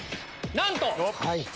なんと‼